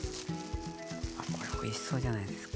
これおいしそうじゃないですかね。